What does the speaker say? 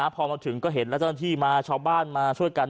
พอมาถึงก็เห็นแล้วเจ้าหน้าที่มาชาวบ้านมาช่วยกัน